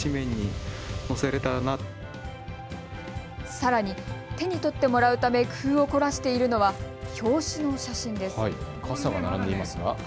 さらに、手に取ってもらうため工夫を凝らしているのは表紙の写真です。